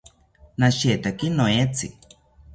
Nashetaki noetzi